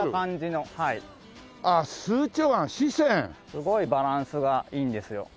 すごいバランスがいいんですよ。